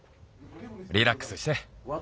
リラックスして。